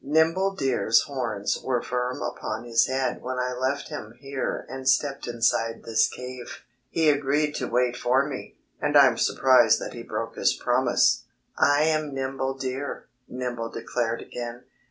"Nimble Deer's horns were firm upon his head when I left him here and stepped inside this cave. He agreed to wait for me; and I'm surprised that he broke his promise." "I am Nimble Deer," Nimble declared again.